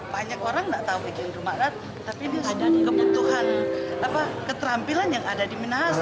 banyak orang nggak tahu bikin rumah tapi ada kebutuhan keterampilan yang ada di minahasa